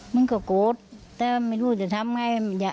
มันก็โกรธแต่ไม่รู้จะทำไง